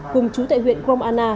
cùng chú tại huyện gromana